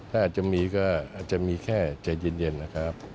ถ้าอาจจะมีก็อาจจะมีแค่ใจเย็นนะครับ